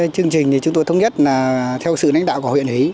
chương trình chúng tôi thống nhất là theo sự lãnh đạo của huyện ấy